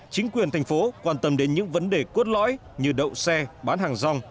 chính quyền thành phố quan tâm đến những vấn đề cốt lõi như đậu xe bán hàng rong